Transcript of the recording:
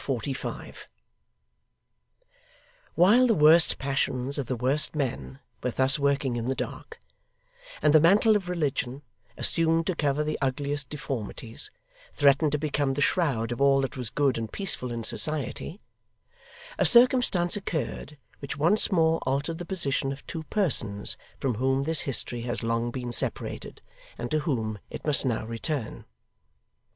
Chapter 45 While the worst passions of the worst men were thus working in the dark, and the mantle of religion, assumed to cover the ugliest deformities, threatened to become the shroud of all that was good and peaceful in society, a circumstance occurred which once more altered the position of two persons from whom this history has long been separated, and to whom it must now return.